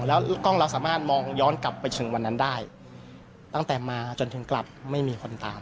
แล้วกล้องเราสามารถมองย้อนกลับไปถึงวันนั้นได้ตั้งแต่มาจนถึงกลับไม่มีคนตาม